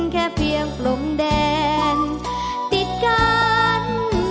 แค่เพียงปลงแดนติดกัน